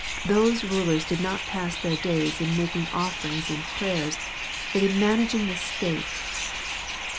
Those rulers did not pass their days in making offerings and prayers, but in managing the state."